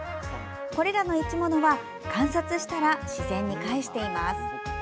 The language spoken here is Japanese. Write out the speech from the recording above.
これらの生き物は、観察したら自然にかえしています。